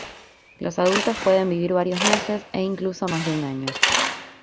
Los adultos pueden vivir varios meses e incluso más de un año.